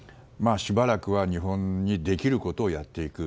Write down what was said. しばらくは日本にできることをやっていく。